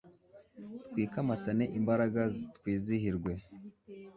twikamatane imbaraga twizihirwe